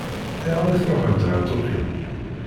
Ayɣer i tṛuḥemt ɣer Tokyo?